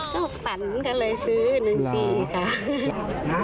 ก็ฝันก็เลยซื้อ๑๔ค่ะ